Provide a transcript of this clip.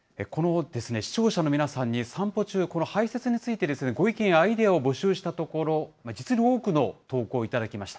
視聴者の皆さんに、散歩中、排せつについて、ご意見やアイデアを募集したところ、実に多くの投稿を頂きました。